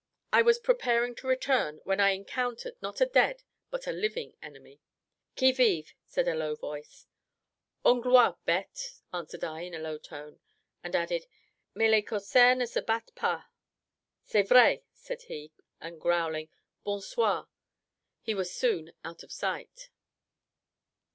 I was preparing to return, when I encountered, not a dead, but a living enemy. "Qui vive?" said a low voice. "Anglois, bête!" answered I, in a low tone: and added, "mais les corsairs ne se battent pas" "Cest vrai" said he; and growling, "bon soir" he was soon out of sight.